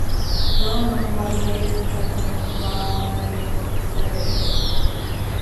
Ronon was later captured by the Wraith.